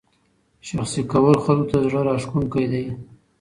شخصي کول خلکو ته زړه راښکونکی دی.